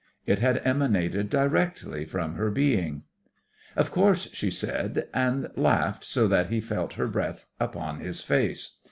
It had emanated directly from her being. "Of course," she said, and laughed so that he felt her breath upon his face.